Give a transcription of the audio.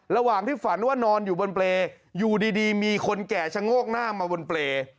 ระหว่างที่ฝันว่านอนอยู่บนเปรย์อยู่ดีมีคนแก่ชะโงกหน้ามาบนเปรย์